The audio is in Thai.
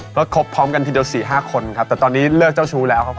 เพราะครบพร้อมกันทีเดียวสี่ห้าคนครับแต่ตอนนี้เลือกเจ้าชู้แล้วครับ